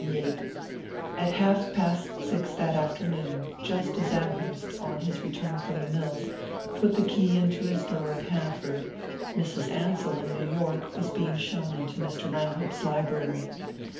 XXXVIII AT half past six that afternoon, just as Amherst, on his return from the mills, put the key into his door at Hanaford, Mrs. Ansell, in New York, was being shown into Mr. Langhope's library.